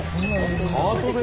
カートで？